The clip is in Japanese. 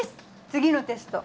次のテスト。